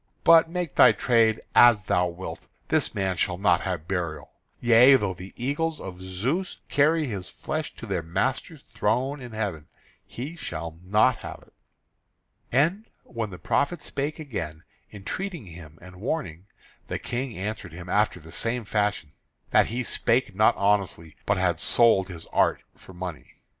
But, make thy trade as thou wilt, this man shall not have burial; yea, though the eagles of Zeus carry his flesh to their master's throne in heaven, he shall not have it." And when the prophet spake again, entreating him, and warning, the King answered him after the same fashion, that he spake not honestly, but had sold his art for money.